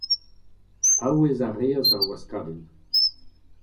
Paouez a reas ar waskadenn.